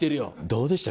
どうでした？